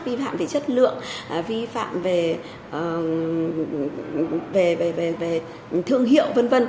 vi phạm về chất lượng vi phạm về thương hiệu v v